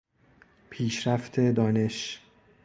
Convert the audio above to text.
پیشرفت دانش